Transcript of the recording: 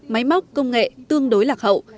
máy móc công nghệ tương đối lạc hậu